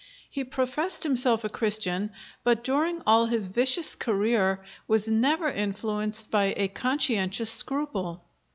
He professed himself a Christian, but during all his vicious career was never influenced by a conscientious scruple.